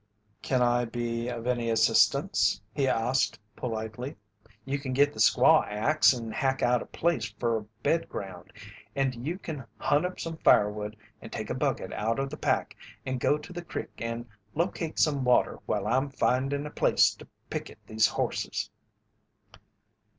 "Can I be of any assistance?" he asked, politely. "You can git the squaw axe and hack out a place fer a bed ground and you can hunt up some firewood and take a bucket out of the pack and go to the crick and locate some water while I'm finding a place to picket these horses."